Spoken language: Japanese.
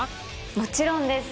もちろんです。